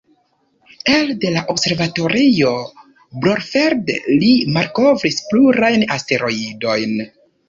Elde la Observatorio Brorfelde, li malkovris plurajn asteroidojn.